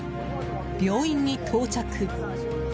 病院に到着。